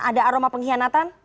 ada aroma pengkhianatan